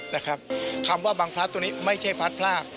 นะครับคำว่าบางพลัสต์ตรงนี้ไม่ใช่พลัสเผลือก